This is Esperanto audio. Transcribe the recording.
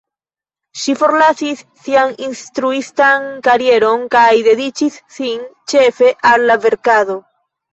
Ŝi forlasis sian instruistan karieron kaj dediĉis sin ĉefe al la verkado.